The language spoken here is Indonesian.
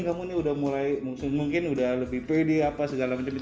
kamu ini udah mulai mungkin udah lebih pede apa segala macam